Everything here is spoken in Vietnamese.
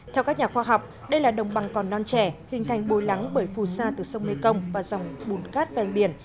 theo các nhà khoa học đây là đồng bằng còn non trẻ hình thành bồi lắng bởi phù sa từ sông mê công và dòng bùn cát vàng biển